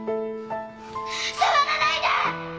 触らないで！